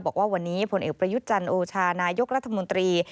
บอกว่าวันนี้ผลเอกประยุทธ์จันทร์โอชานายกรัฐมนตรี